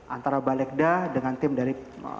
antara balegda dengan tim dari